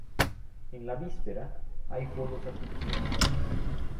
En la víspera hay Fuegos Artificiales.